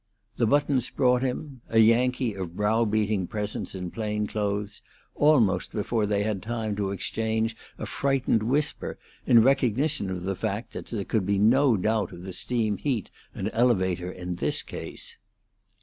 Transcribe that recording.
The Buttons brought him a Yankee of browbeating presence in plain clothes almost before they had time to exchange a frightened whisper in recognition of the fact that there could be no doubt of the steam heat and elevator in this case.